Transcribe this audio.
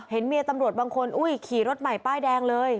เห็นเมียตำรวจบางคนขี่รถใหม่ป้ายแดงเลย